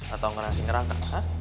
atau kerasi ngerangka